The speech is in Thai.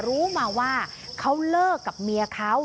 รู้มาว่าเขาเลิกกับเมียเขา